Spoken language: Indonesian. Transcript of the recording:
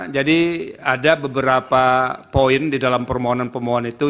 jadi ada beberapa poin di dalam permohonan permohonan itu